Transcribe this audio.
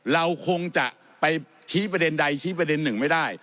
เราคงจะไปชี้ประเด็นใดชี้ประเด็นหนึ่งไม่ได้